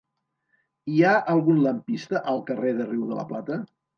Hi ha algun lampista al carrer del Riu de la Plata?